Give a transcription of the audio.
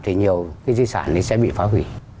thì nhiều cái di sản nó sẽ bị phá huy